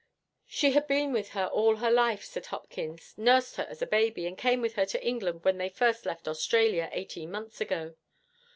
'She had been with her all her life,' said Hopkins. 'Nursed her as a baby, and came with her to England when they first left Australia, eighteen months ago.